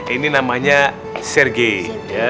ini namanya sergei